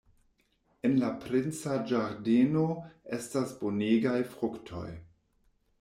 En la princa ĝardeno estas bonegaj fruktoj.